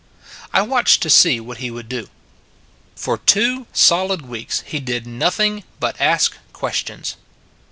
I watched to see what he would do. For two solid weeks he did nothing but ask questions.